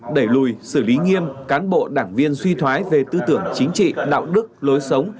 đẩy lùi xử lý nghiêm cán bộ đảng viên suy thoái về tư tưởng chính trị đạo đức lối sống